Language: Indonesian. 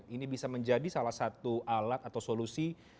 ini bisa menjadi salah satu alat atau solusi